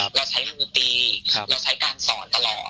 เราใช้ดนตรีเราใช้การสอนตลอด